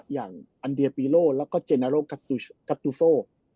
อย่างอนเดียปิโลและเจนาโรกาตูโซ